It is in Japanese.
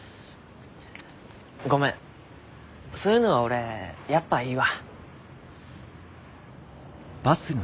ごめんそういうのは俺やっぱいいわ。